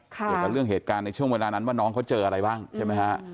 เกี่ยวกับเรื่องเหตุการณ์ในช่วงเวลานั้นว่าน้องเขาเจออะไรบ้างใช่ไหมฮะ